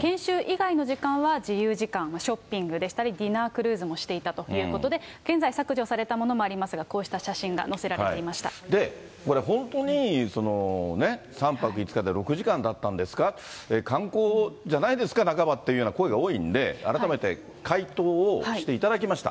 研修以外の時間は自由時間、ショッピングでしたり、ディナークルーズもしていたということで、現在削除されたものもありますが、こうした写真が載せられていましこれ、本当に、その、ね、３泊５日で６時間だったんですか、観光じゃないですか、半ばというような声が多いんで、改めて回答をしていただきました。